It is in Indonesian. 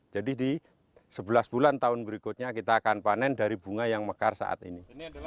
jadi di sebelas bulan tahun berikutnya kita akan panen dari bunga yang mekar saat ini